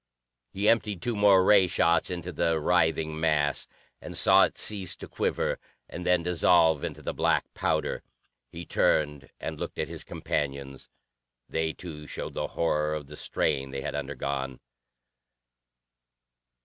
He emptied two more ray shots into the writhing mass, and saw it cease to quiver and then dissolve into the black powder. He turned and looked at his companions. They, too, showed the horror of the strain they had undergone.